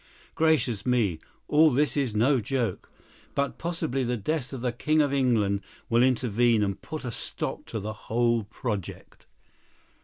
Gracious me! All this is no joke. But possibly the death of the King of England will intervene and put a stop to the whole project."